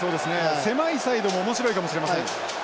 狭いサイドも面白いかもしれません。